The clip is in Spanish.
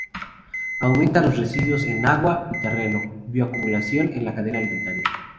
Aumenta los residuos en agua y terreno, bioacumulación en la cadena alimentaria.